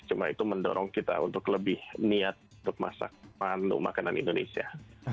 cuma itu mendorong kita untuk lebih niat untuk masak menu makanan indonesia